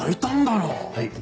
はい。